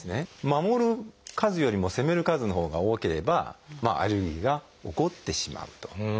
守る数よりも攻める数のほうが多ければアレルギーが起こってしまうと。